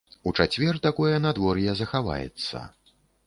У чацвер такое надвор'е захаваецца.